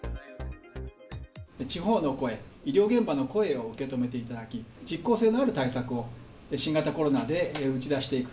地方の声、医療現場の声を受け止めていただき、実効性のある対策を新型コロナで打ち出していく。